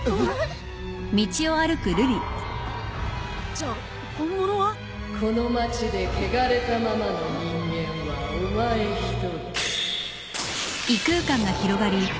じゃ本物は！？・この町で穢れたままの人間はお前一人。